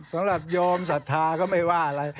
สำหรับโยมศรัทธาก็ไม่ว่าอะไร